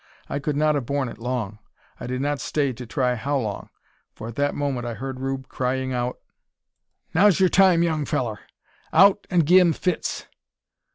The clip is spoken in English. I could not have borne it long. I did not stay to try how long, for at that moment I heard Rube crying out "Now's your time, young fellur! Out, and gi' them fits!"